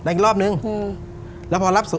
อีกรอบนึงแล้วพอรับศพ